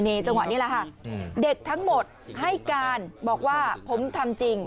จังหวะนี้แหละค่ะเด็กทั้งหมดให้การบอกว่าผมทำจริง